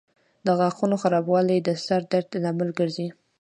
د غاښونو خرابوالی د سر درد لامل ګرځي.